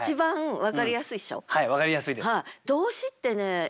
はい分かりやすいです。